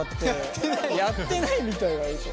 「やってないみたい」はうそ。